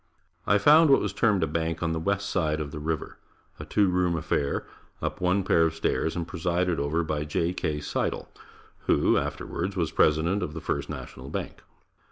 I found what was termed a bank on the west side of the river a two room affair, up one pair of stairs, and presided over by J. K. Sidle, who afterwards was president of the First National Bank.